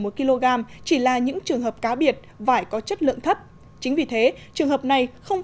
một kg chỉ là những trường hợp cá biệt vải có chất lượng thấp chính vì thế trường hợp này không